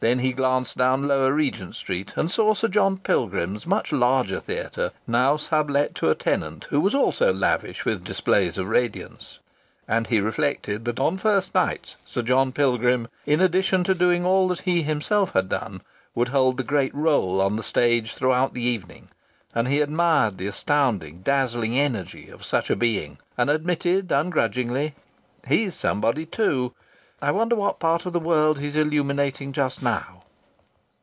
Then he glanced down Lower Regent Street and saw Sir John Pilgrim's much larger theatre, now sub let to a tenant who was also lavish with displays of radiance. And he reflected that on first nights Sir John Pilgrim, in addition to doing all that he himself had done, would hold the great rôle on the stage throughout the evening. And he admired the astounding, dazzling energy of such a being, and admitted ungrudgingly: "He's somebody too! I wonder what part of the world he's illuminating just now!"